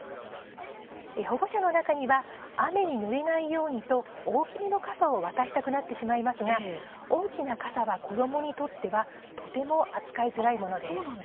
保護者の中には雨にぬれないようにと大きめの傘を渡したくなってしまいますが大きな傘は子どもにとってはとても扱いづらいものです。